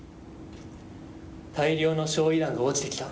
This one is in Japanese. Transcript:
大量の焼い弾が落ちてきた。